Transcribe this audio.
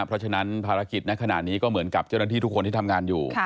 เพราะฉะนั้นภารกิจในขณะนี้ก็เหมือนกับเจ้าหน้าที่ทุกคนที่ทำงานอยู่